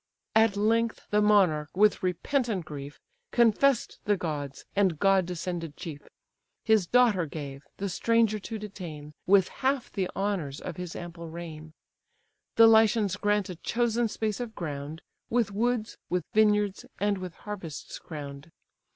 "At length the monarch, with repentant grief, Confess'd the gods, and god descended chief; His daughter gave, the stranger to detain, With half the honours of his ample reign: The Lycians grant a chosen space of ground, With woods, with vineyards, and with harvests crown'd.